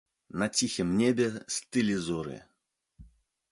На ціхім небе стылі зоры.